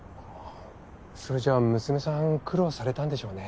それじゃ娘さん苦労されたんでしょうね。